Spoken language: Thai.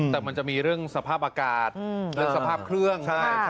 แต่มันจะมีเรื่องสภาพอากาศเรื่องสภาพเครื่อง